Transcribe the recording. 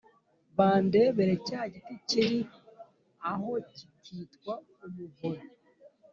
Bandebere cya giti kiri aho kikitwa umuvure